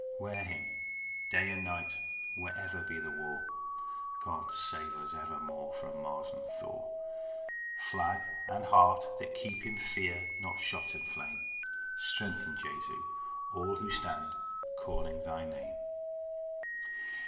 Wear Him day and night, wherever be the war, (God save us evermore from Mars and Thor!) Flag and heart that keep Him fear not shot and flame, (Strengthen, Jesu, all who stand, calling Thy name).